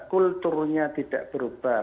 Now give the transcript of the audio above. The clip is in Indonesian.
kulturnya tidak berubah